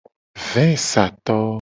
Vesato.